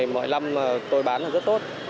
mỗi năm tôi bán là rất tốt